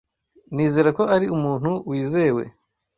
Nizera ko ari umuntu wizewe.